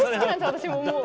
私ももう。